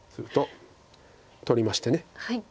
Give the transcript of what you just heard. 取りまして。